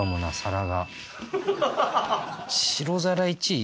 白皿１位？